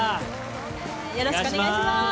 よろしくお願いします。